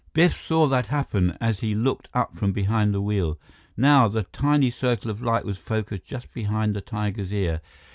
Biff saw that happen as he looked up from behind the wheel. Now, the tiny circle of light was focused just behind the tiger's ear.